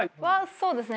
そうですね。